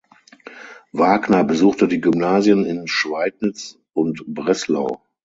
Wagner besuchte die Gymnasien in Schweidnitz und Breslau.